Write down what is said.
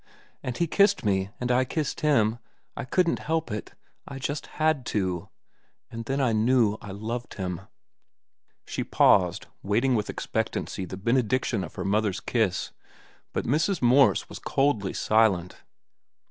And he kissed me, and I kissed him. I couldn't help it. I just had to. And then I knew I loved him." She paused, waiting with expectancy the benediction of her mother's kiss, but Mrs. Morse was coldly silent.